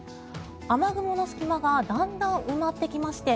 雨雲の隙間がだんだん埋まってきまして